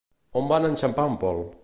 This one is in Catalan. On van enxampar el Pol?